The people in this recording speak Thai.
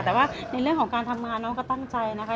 แต่ว่าในเรื่องของการทำงานน้องก็ตั้งใจนะคะ